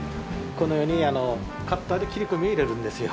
このようにあのカッターで切り込みを入れるんですよ。